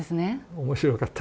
面白かった。